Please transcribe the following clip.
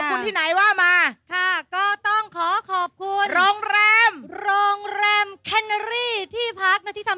มีวางครบทุกรูค่ะ